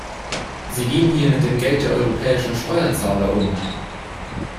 Sie gehen hier mit dem Geld der europäischen Steuerzahler um.